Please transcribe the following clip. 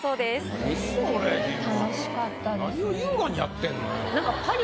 何を優雅にやってんのよ。